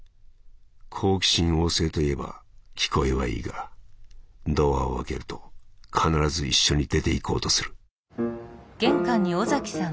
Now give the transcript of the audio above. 好奇心旺盛といえば聞こえはいいがドアを開けると必ず一緒に出て行こうとする」。